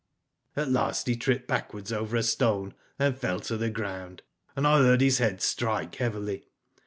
'* At last he tripped backwards over a stone and fell to the ground, and I heard his head strike heavily.